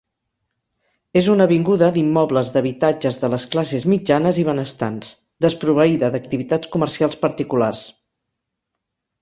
És una avinguda d'immobles d'habitatges de les classes mitjanes i benestants, desproveïda d'activitats comercials particulars.